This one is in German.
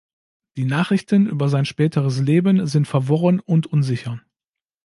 Die Nachrichten über sein späteres Leben sind verworren und unsicher.